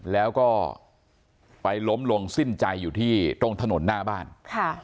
แล้วก็ไปล้มลงสิ้นใจอยู่ที่ตรงถนนหน้าบ้านค่ะ